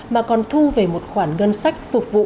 mà còn thu về một khoản ngân sách phục vụ